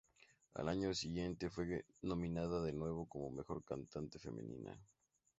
Al año siguiente fue nominada de nuevo como Mejor Cantante Femenina.